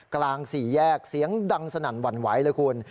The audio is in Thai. กลางสี่แยกเสียงดังสนั่นหวั่นไหวเลยคุณ